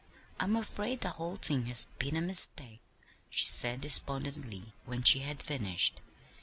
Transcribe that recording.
"I'm afraid the whole thing has been a mistake," she said despondently, when she had finished.